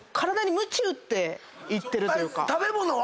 食べ物は？